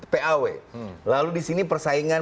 paw lalu di sini persaingan